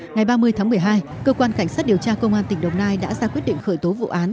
ngày ba mươi tháng một mươi hai cơ quan cảnh sát điều tra công an tỉnh đồng nai đã ra quyết định khởi tố vụ án